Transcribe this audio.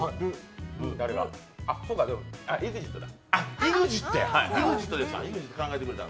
ＥＸＩＴだ。